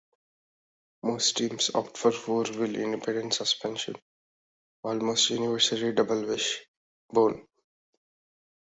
Most teams opt for four-wheel independent suspension, almost universally double-wishbone.